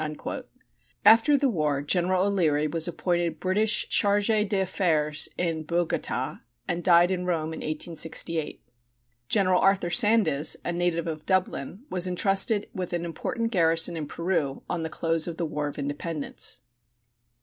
After the war, General O'Leary was appointed British chargé d'affaires at Bogota, and died in Rome in 1868. General Arthur Sandes, a native of Dublin, was entrusted with an important garrison in Peru on the close of the War of Independence.